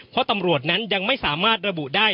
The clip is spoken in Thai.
เพราะตำรวจนั้นยังไม่สามารถระบุได้